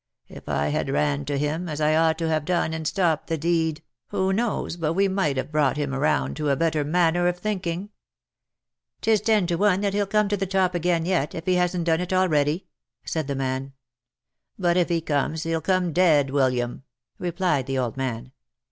If I had ran to him, as I ought to have done, and stopped the deed, who knows but we might have brought him round to a better manner of thinking ?"" 'Tis ten to one but he'll come to the top again yet, if he hasn't done it already," said the man. " But if he comes, he'll come dead, William !" replied the old man.